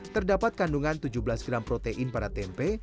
terdapat kandungan tujuh belas gram protein pada tempe